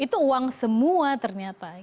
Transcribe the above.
itu uang semua ternyata